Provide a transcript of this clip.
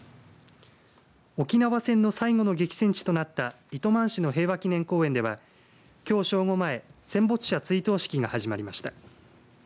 沖縄戦の最後の激戦地となった糸満市の平和祈念公園ではきょう正午前、戦没者追悼式が始まりました。